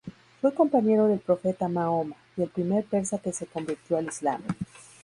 Fue compañero del profeta Mahoma, y el primer persa que se convirtió al Islam.